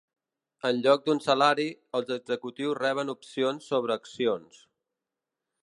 En lloc d'un salari, els executius reben opcions sobre accions.